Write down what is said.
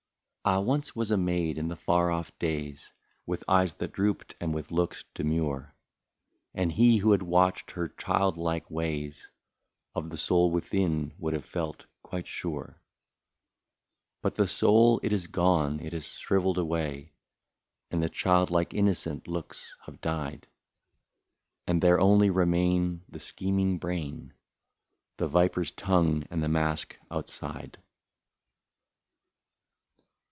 Ah ! once was a maid in the far off days, With eyes that drooped and with looks demure ; And he who had watched her child like ways, Of the soul within would have felt quite sure. But the soul it is gone, — it has shrivelled away. And the child like innocent smiles have died ; And there only remain the scheming brain. The viper's tongue, and the mask outside.